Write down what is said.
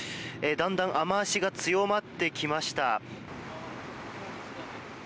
だんだん雨脚が強まってきました。